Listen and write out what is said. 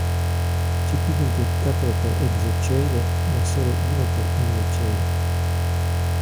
C'è più di un tentacolo per exocele ma solo uno per endocele.